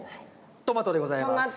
トマトでございます。